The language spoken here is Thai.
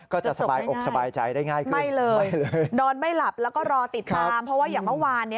ก็จะสบายอกสบายใจได้ง่ายขึ้นใช่เลยนอนไม่หลับแล้วก็รอติดตามเพราะว่าอย่างเมื่อวาน